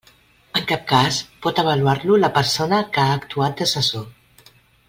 En cap cas pot avaluar-lo la persona que ha actuat d'assessor.